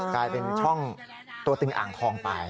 กลายเป็นช่องตัวตึงอ่างทองไป